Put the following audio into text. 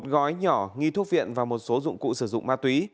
một gói nhỏ nghi thuốc phiện và một số dụng cụ sử dụng ma túy